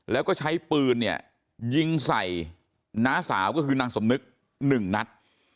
แล้วก็ใช้ปืนเนี่ยยิงใส่น้าสาวก็คือนางสมนึก๑นัด